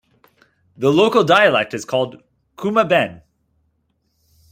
The local dialect is called Kuma-ben.